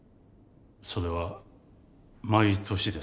それは毎年ですか？